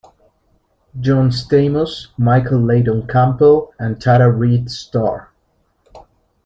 John Stamos, Michael Leydon Campbell and Tara Reid star.